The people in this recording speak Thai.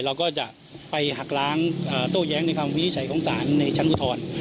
เราก็จะไปหักล้างโต้แย้งในคำวินิจฉัยของศาลในชั้นอุทธรณ์